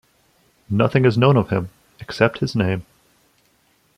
Nothing is known of him, except his name.